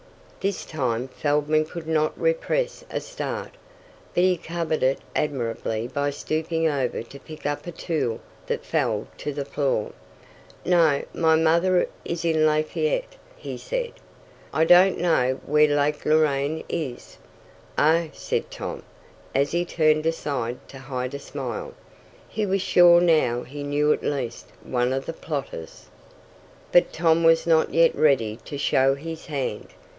This time Feldman could not repress a start. But he covered it admirably by stooping over to pick up a tool that fell to the floor. "No, my mother is in Lafayette," he said. "I don't know where Lake Loraine is." "Oh," said Tom, as he turned aside to hide a smile. He was sure now he knew at least one of the plotters. But Tom was not yet ready to show his hand.